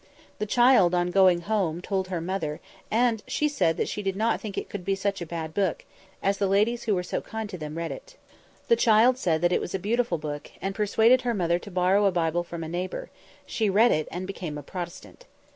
The child, on going home, told her mother, and she said that she did not think it could be such a bad book, as the ladies who were so kind to them read it. The child said that it was a beautiful book, and persuaded her mother to borrow a Bible from a neighbour; she read it, and became a Protestant.